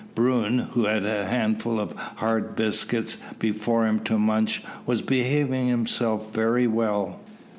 Bruin, who had a handful of hard biscuit before him to munch, was behaving himself very well.